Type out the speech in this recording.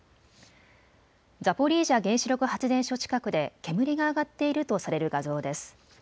ザポリージャ原子力発電所近くで煙が上がっているとされる画像です。